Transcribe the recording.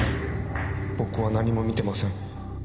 僕は何も見てません。